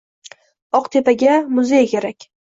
“Oqtepa”ga muzey kerak!